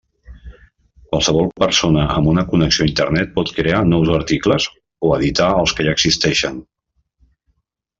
Qualsevol persona amb una connexió a Internet pot crear nous articles, o editar els que ja existeixen.